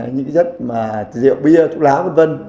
những chất mà rượu bia trúc lá v v